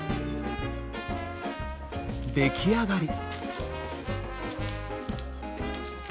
出来上がり！